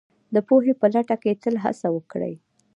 د پوهې په لټه کې تل هڅه وکړئ